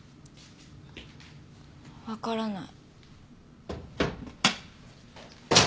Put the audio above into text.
分からない。